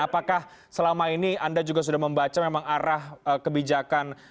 apakah selama ini anda juga sudah membaca memang arah kebijakan